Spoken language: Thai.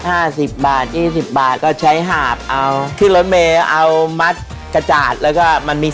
ห้าสิบบาทยี่สิบบาทก็ใช้หาบเอาที่รถเมย์เอามัดกระจาดแล้วก็มันมี